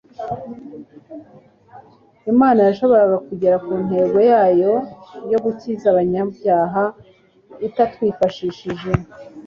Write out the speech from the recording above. Imana yashoboraga kugera ku ntego yayo yo gukiza abanyabyaha itatwifashishije;